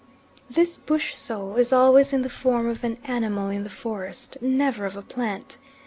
This bush soul is always in the form of an animal in the forest never of a plant.